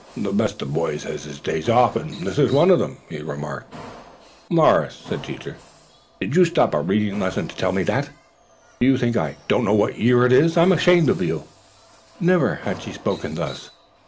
"The best of boys has his off days and this is one of them," he remarked. "Morris," said Teacher, "did you stop a reading lesson to tell me that? Do you think I don't know what the year is? I'm ashamed of you." Never had she spoken thus.